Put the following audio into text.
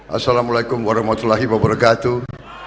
assalamualaikum warahmatullahi wabarakatuh